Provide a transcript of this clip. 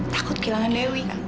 takut kehilangan dewi